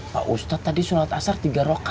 pak ustadz tadi sholat asar tiga roka